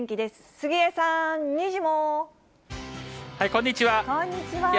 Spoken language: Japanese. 杉江さん、こんにちは。